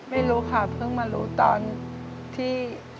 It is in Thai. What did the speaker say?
ไม่รู้ค่ะเพิ่งมารู้ตอนที่